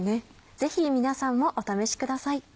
ぜひ皆さんもお試しください。